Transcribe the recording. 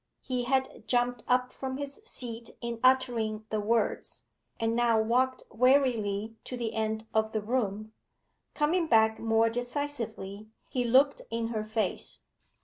He had jumped up from his seat in uttering the words, and now walked wearily to the end of the room. Coming back more decisively, he looked in her face.